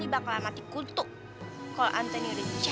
apaan sih lu ken